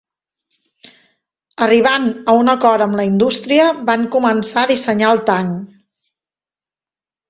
Arribant a un acord amb la indústria van començar a dissenyar el tanc.